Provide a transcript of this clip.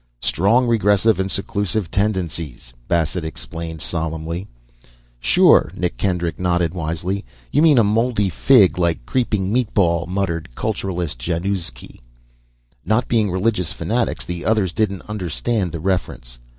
"Strong regressive and seclusive tendencies," Bassett explained, solemnly. "Sure," Nick Kendrick nodded, wisely. "You mean a Mouldy Fig, like." "Creeping Meatball," muttered cultist Januzki. Not being religious fanatics, the others didn't understand the reference.